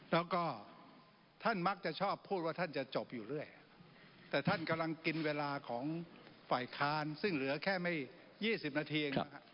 แล้วก็ท่านมักจะชอบพูดว่าท่านจะจบอยู่เรื่อยแต่ท่านกำลังกินเวลาของฝ่ายค้านซึ่งเหลือแค่ไม่๒๐นาทีเองนะฮะ